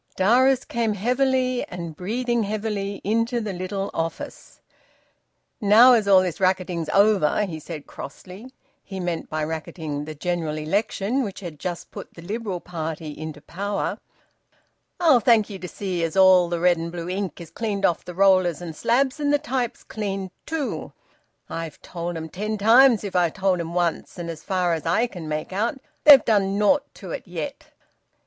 Darius came heavily, and breathing heavily, into the little office. "Now as all this racketing's over," he said crossly he meant by `racketing' the general election which had just put the Liberal party into power "I'll thank ye to see as all that red and blue ink is cleaned off the rollers and slabs, and the types cleaned too. I've told 'em ten times if I've told 'em once, but as far as I can make out, they've done naught to it yet."